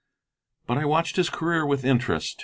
But I watched his career with interest.